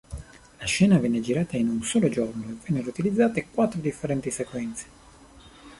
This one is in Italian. La scena venne girata in un solo giorno e vennero utilizzate quattro differenti sequenze.